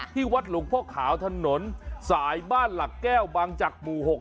ที่วัดหลวงพ่อขาวถนนสายบ้านหลักแก้วบางจักรหมู่๖